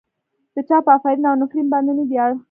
د چا په افرین او نفرين باندې نه دی اړ.